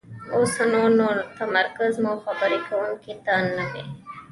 اوسو نو تمرکز مو خبرې کوونکي ته نه وي،